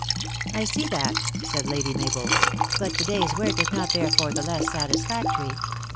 " I see that," said Lady Mabel. " But to day s work is not therefore the less satisfactory.